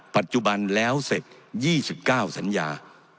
ปัจจุบันแล้วเสร็จ๒๙สัญญา